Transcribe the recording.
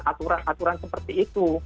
aturan aturan seperti itu